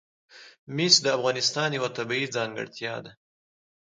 مس د افغانستان یوه طبیعي ځانګړتیا ده.